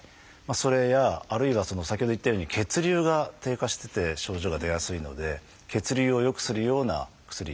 それやあるいは先ほど言ったように血流が低下してて症状が出やすいので血流を良くするような薬